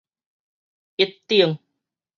一等